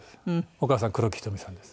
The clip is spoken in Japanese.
お母さん黒木瞳さんです。